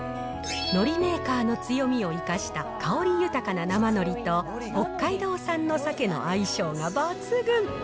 のりメーカーの強みを生かした香り豊かな生のりと、北海道産のさけの相性が抜群。